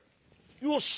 よし。